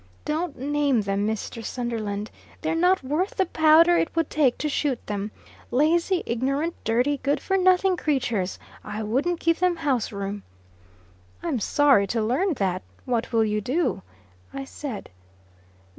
"Don't name them, Mr. Sunderland! They're not worth the powder it would take to shoot them. Lazy, ignorant, dirty, good for nothing creatures. I wouldn't give them house room." "I'm sorry to learn that. What will you do?" I said.